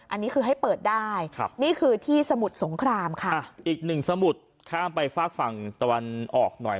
อันนี้คือให้เปิดได้ครับนี่คือที่สมุทรสงครามค่ะอีกหนึ่งสมุดข้ามไปฝากฝั่งตะวันออกหน่อย